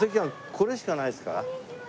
これしかないですか？